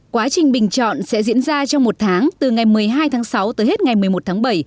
quá trình bình chọn sẽ diễn ra trong một tháng từ ngày một mươi hai tháng sáu tới hết ngày một mươi một tháng bảy